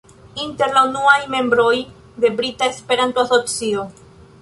Inter la unuaj membroj de Brita Esperanto-Asocio.